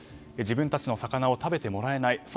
自分たちの魚を食べてもらえない。